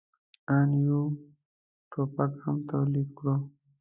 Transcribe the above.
آن یو ټوپک هم تولید کړو.